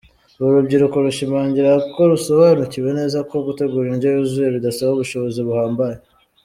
Uru rubyiruko rushimangira ko rusobanukiwe neza ko gutegura indyo yuzuye bidasaba ubushobozi buhambaye.